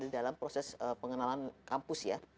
dalam proses pengenalan kampus ya